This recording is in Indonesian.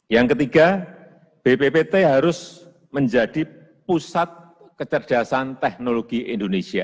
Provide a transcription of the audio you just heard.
yang ketiga bppt harus menjadi pusat kecerdasan teknologi indonesia